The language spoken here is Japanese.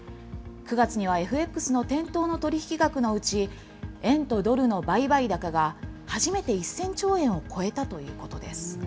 ９月にはＦＸの店頭の取り引き額のうち、円とドルの売買高が、初めて１０００兆円を超えたということです。